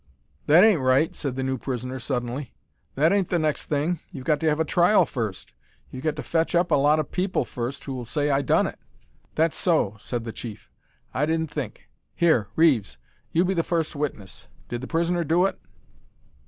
"That ain't right," said the new prisoner, suddenly. "That ain't the next thing. You've got to have a trial first. You've got to fetch up a lot of people first who'll say I done it." "That's so," said the chief. "I didn't think. Here, Reeves, you be first witness. Did the prisoner do it?"